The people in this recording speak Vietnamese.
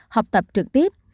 học tập trực tiếp